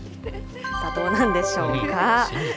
どうなんでしょうか。